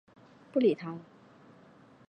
短茎隔距兰为兰科隔距兰属下的一个种。